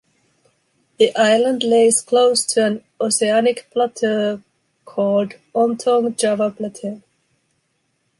The island lays close to an oceanic plateau called Ontong Java plateau.